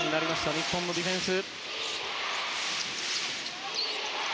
日本のディフェンス。